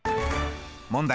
問題。